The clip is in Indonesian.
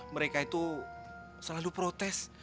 mereka itu selalu protes